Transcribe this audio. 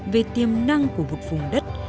về tiềm năng của một vùng đất